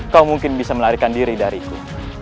kau mungkin bisa melarikan diri dariku